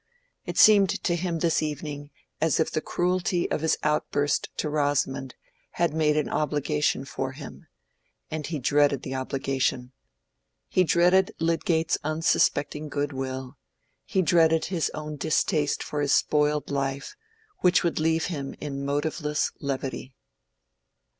It seemed to him this evening as if the cruelty of his outburst to Rosamond had made an obligation for him, and he dreaded the obligation: he dreaded Lydgate's unsuspecting good will: he dreaded his own distaste for his spoiled life, which would leave him in motiveless levity.